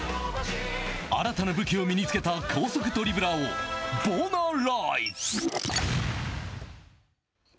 新たな能力を身につけた高速ドリブラーをボナライズ。